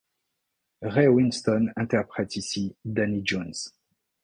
Ray Winstone interprète ici Danny Jones.